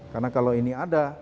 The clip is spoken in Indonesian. karena kalau ini ada